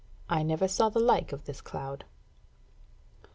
I never saw the like of this cloud."